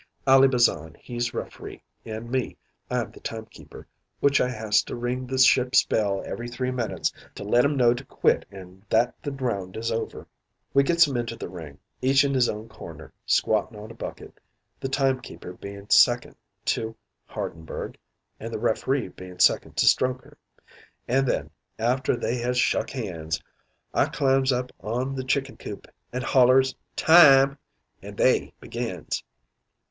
"Ally Bazan, he's referee, an' me, I'm the time keeper which I has to ring the ship's bell every three minutes to let 'em know to quit an' that the round is over. "We gets 'em into the ring, each in his own corner, squattin' on a bucket, the time keeper bein' second to Hardenberg an' the referee being second to Strokher. An' then, after they has shuk hands, I climbs up on' the chicken coop an' hollers 'Time' an' they begins.